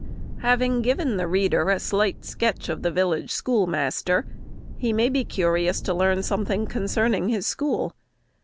Having given the reader a slight sketch of the village schoolmaster, he may be curious to learn something concerning his school.